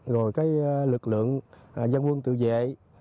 rồi lực lượng dân quân tự vệ